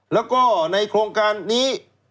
แล้วก็ในโครงการนี้